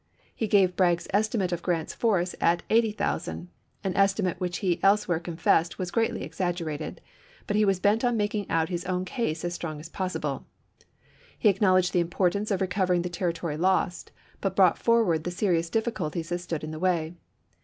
He gave Bragg's estimate of Grant's force at 80,000, an estimate which he else where confessed was greatly exaggerated, but he was bent on making out his own case as strong as possible. He acknowledged the importance of recovering the territory lost, but brought forward the serious difficulties that stood in the way.